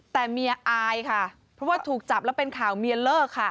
แต่เมียอายค่ะเพราะว่าถูกจับแล้วเป็นข่าวเมียเลิกค่ะ